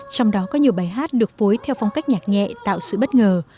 trong đó có nhiều bài hát được phối theo phong cách nhạc nhẹ tạo sự bất ngờ